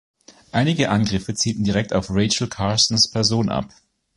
Einige Angriffe zielten direkt auf Rachel Carsons Person ab.